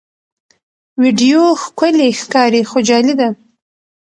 ویډیو ښکلي ښکاري خو جعلي ده.